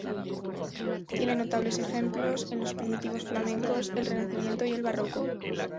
Tiene notables ejemplos en los primitivos flamencos, el Renacimiento y el Barroco.